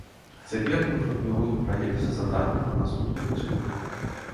Цяпер мы фарміруем праектнае заданне на наступную пяцігодку.